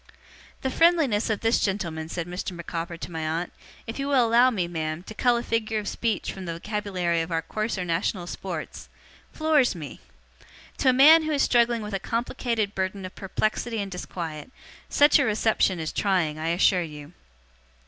'The friendliness of this gentleman,' said Mr. Micawber to my aunt, 'if you will allow me, ma'am, to cull a figure of speech from the vocabulary of our coarser national sports floors me. To a man who is struggling with a complicated burden of perplexity and disquiet, such a reception is trying, I assure you.